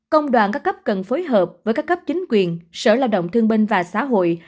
công đoàn các cấp cần phối hợp với các cấp chính quyền sở lao động thương binh và xã hội